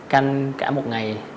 canh cả một ngày